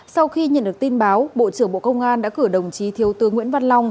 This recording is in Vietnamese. sau khi nhận được tin báo bộ trưởng bộ công an đã cử đồng chí thiếu tướng nguyễn văn long